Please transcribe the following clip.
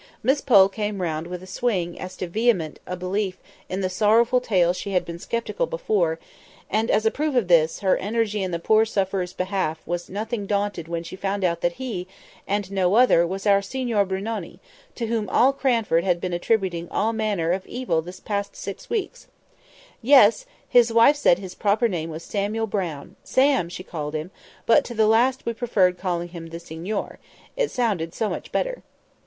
Miss Pole came round with a swing to as vehement a belief in the sorrowful tale as she had been sceptical before; and, as a proof of this, her energy in the poor sufferer's behalf was nothing daunted when she found out that he, and no other, was our Signor Brunoni, to whom all Cranford had been attributing all manner of evil this six weeks past! Yes! his wife said his proper name was Samuel Brown—"Sam," she called him—but to the last we preferred calling him "the Signor"; it sounded so much better.